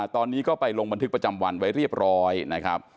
ตอนนี้ก็ไปลงบันทึกประจำวันไว้เรียบร้อยนะครับ